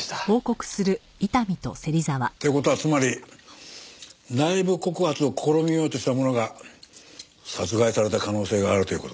って事はつまり内部告発を試みようとした者が殺害された可能性があるという事か。